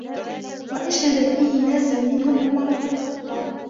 وَأَشْهَدَ فِيهِ نَاسًا مِنْهُمْ عُمَرُ بْنُ الْخَطَّابِ